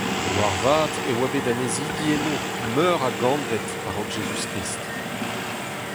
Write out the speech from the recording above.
Moarvat e oa bet annezidi eno meur a gantved a-raok Jezuz-Krist.